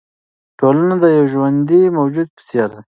ټولنه د یوه ژوندي موجود په څېر ده.